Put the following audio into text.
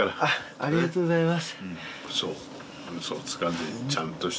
ありがとうございます。